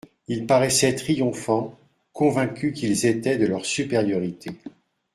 Ils paraissaient triomphants, convaincus qu'ils étaient de leur supériorité.